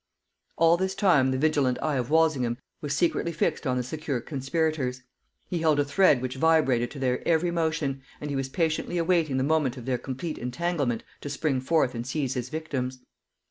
All this time the vigilant eye of Walsingham was secretly fixed on the secure conspirators. He held a thread which vibrated to their every motion, and he was patiently awaiting the moment of their complete entanglement to spring forth and seize his victims.